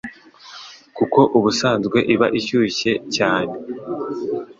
kuko ubusanzwe iba ishyushye cyane.